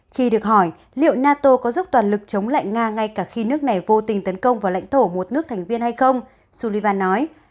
khi được hỏi liệu nato có dốc toàn lực chống lại nga ngay cả khi nước này vô tình tấn công vào lãnh thổ một nước thành viên hay không sullivan nói